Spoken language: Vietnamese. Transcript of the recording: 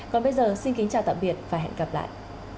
còn bây giờ xin kính chào tạm biệt và hẹn gặp lại